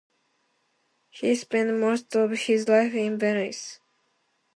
He spent most of his life in Venice.